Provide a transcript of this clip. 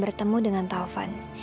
bertemu dengan taufan